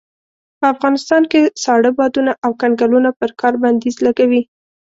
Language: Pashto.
په افغانستان کې ساړه بادونه او کنګلونه پر کار بنديز لګوي.